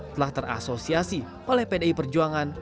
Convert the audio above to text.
telah terasosiasi oleh pdi perjuangan